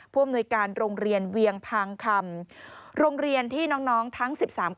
ผู้อำนวยการโรงเรียนเวียงพังคำ